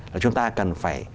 là chúng ta cần phải